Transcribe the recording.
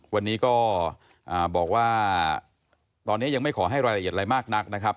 วันนี้ก็บอกว่าตอนนี้ยังไม่ขอให้รายละเอียดอะไรมากนักนะครับ